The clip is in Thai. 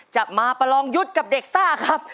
จะมาประลองยุทธ์กับเด็กซ่าครับ